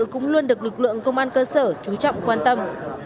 cũng luôn được lực lượng công an cơ sở chú trọng quan tâm